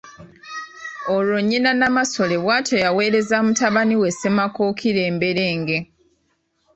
Olwo nnyina, Namasole bw’atyo yaweereza mutabani we Ssemakookiro emberenge.